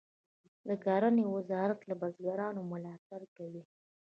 د کرنې وزارت له بزګرانو ملاتړ کوي.